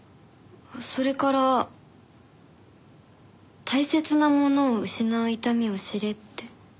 それから大切な者を失う痛みを知れって。